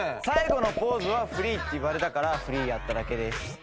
最後のポーズはフリーって言われたからフリーやっただけです。